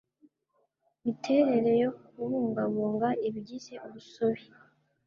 miterere yo kubungabunga ibigize urusobe